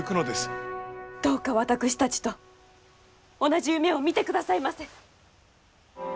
どうか私たちと同じ夢を見てくださいませ。